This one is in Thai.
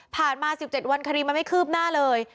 มา๑๗วันคดีมันไม่คืบหน้าเลย